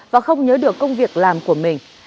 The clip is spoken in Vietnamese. và không nhớ được công việc làm của mình